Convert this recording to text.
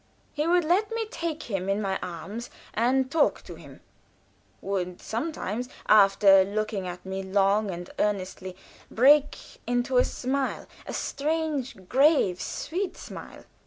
He would let me take him in my arms and talk to him; would sometimes, after looking at me long and earnestly, break into a smile a strange, grave, sweet smile.